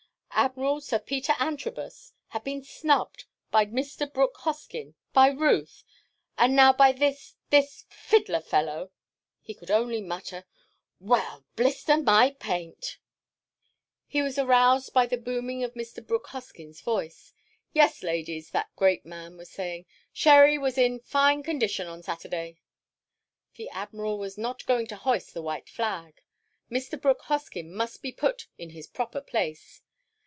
Admiral Sir Peter Antrobus—had been snubbed by Mr. Brooke Hoskyn, by Ruth, and now by this—this fiddler fellow! He could only mutter, "Well!—blister my paint—!" He was aroused by the booming of Mr. Brooke Hoskyn's voice. "Yes, Ladies," that great man was saying, "Sherry was in fine condition on Saturday!" The Admiral was not going to hoist the white flag. Mr. Brooke Hoskyn must be put in his proper place.